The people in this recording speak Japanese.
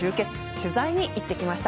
取材に行ってきました。